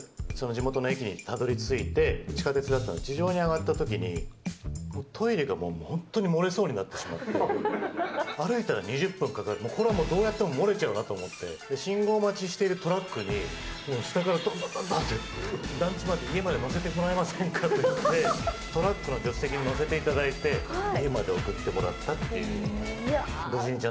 地元の駅にたどりついて、地下鉄だったんで、地上に上がったときに、トイレが本当に漏れそうになってしまって、歩いたら２０分かかる、これはもうどうやっても、もれちゃうなと思って、信号待ちしているトラックに、下からどんどんどんどんって、団地まで、家まで乗せてもらえませんかって、トラックの助手席に乗せていただいて、家まで送ってもらったっていうのはありました。